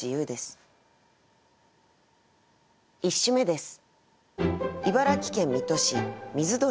１首目です。